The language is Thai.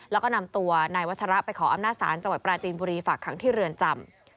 แล้วก็นำตัวนายวัชระไปขออำนาจศาลจังหวัดปราจีนบุรีฝากขังที่เรือนจำ